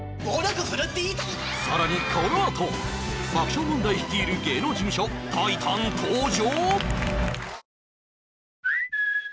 さらにこのあと爆笑問題率いる芸能事務所タイタン登場！